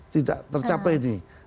tidak tercapai ini